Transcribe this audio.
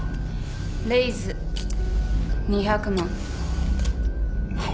レイズ２００万。